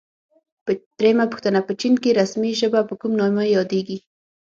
درېمه پوښتنه: په چین کې رسمي ژبه په کوم نامه یادیږي؟